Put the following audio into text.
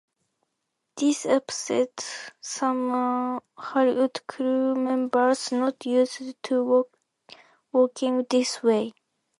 This upset some Hollywood crew members not used to working this way.